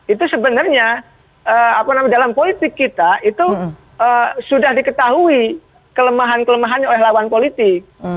itu sebenarnya dalam politik kita itu sudah diketahui kelemahan kelemahannya oleh lawan politik